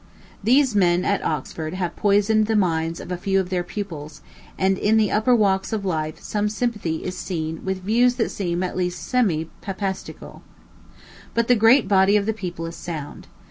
These men at Oxford have poisoned the minds of a few of their pupils, and in the upper walks of life some sympathy is seen with views that seem at least semi Papistical. But the great body of the people is sound.